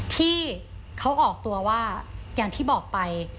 ที่เขาออกตัวว่าอย่างที่บอกไป